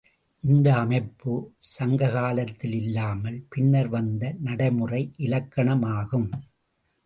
இந்த அமைப்பு, சங்க காலத்தில் இல்லாமல், பின்னர் வந்த நடைமுறை இலக்கணமாகும்.